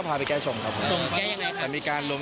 ไม่ได้คาดยกเว้นเจอครับผม